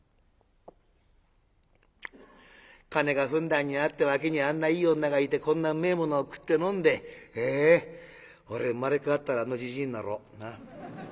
「カネがふんだんにあって脇にあんないい女がいてこんなうめえものを食って飲んでえ俺生まれ変わったらあのじじいになろう。な？